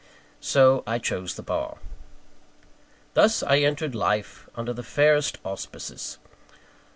So I chose the bar. Thus, I entered life under the fairest auspices.